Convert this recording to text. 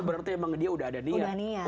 berarti dia memang sudah ada niat